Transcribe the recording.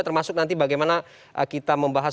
termasuk nanti bagaimana kita membahas